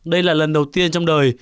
đây là lần đầu tiên trong đời